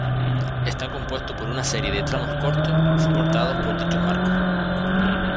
Está compuesto por una serie de tramos cortos soportados por dichos marcos.